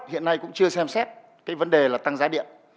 hiện nay cũng chưa xem xét cái vấn đề là tăng giá điện